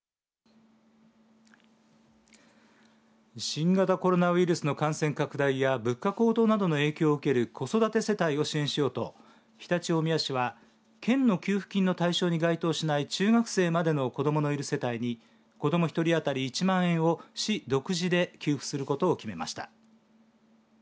新型コロナウイルスの感染拡大や物価高騰などの影響を受ける子育て世帯を支援しようと常陸大宮市は県の給付金の対象に該当しない中学生までの子どものいる世帯に子ども１人当たり１万円を市独自で給付することを決めました。